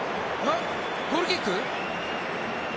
ゴールキック？